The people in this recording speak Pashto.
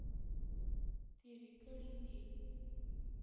تیرې کړي دي.